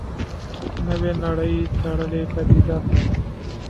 نوې نړۍ تړلې پدیده ده.